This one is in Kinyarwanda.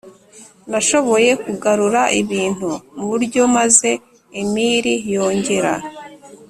nashoboye kugarura ibintu mu buryo maze emili yongera